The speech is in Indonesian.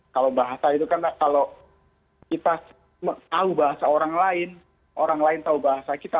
kalau bahasa itu kan kalau kita tahu bahasa orang lain orang lain tahu bahasa kita